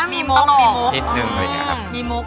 มีมุกมีมุก